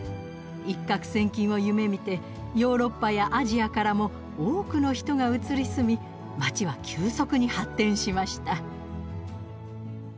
一獲千金を夢みてヨーロッパやアジアからも多くの人が移り住み街は急速に発展しました。